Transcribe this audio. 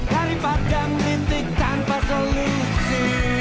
daripada merintik tanpa solusi